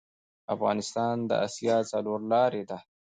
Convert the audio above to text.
افغانستان د اسیا څلور لارې ده